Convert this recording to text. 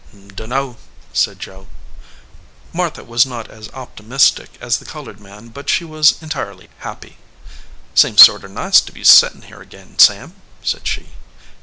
"Dunno," said Joe. Martha was not as optimistic as the colored man, but she was entirely happy. "Seems sorter nice to be settin here ag in, Sam," said she.